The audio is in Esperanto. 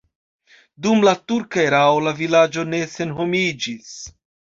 Dum la turka erao la vilaĝo ne senhomiĝis.